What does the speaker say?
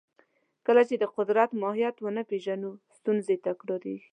کله چې د قدرت ماهیت ونه پېژنو، ستونزې تکراریږي.